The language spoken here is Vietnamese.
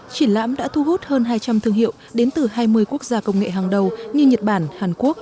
triển lãm đã thu hút hơn hai trăm linh thương hiệu đến từ hai mươi quốc gia công nghệ hàng đầu như nhật bản hàn quốc